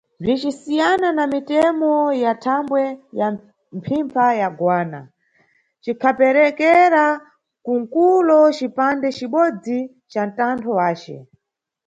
Bzicisiyana na mitemo ya dambwe ya mphimpha ya Goana, cikhaperekera ku ku mkulo cipande cibodzi ca mtantho wace.